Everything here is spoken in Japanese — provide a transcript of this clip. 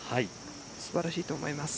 すばらしいと思います。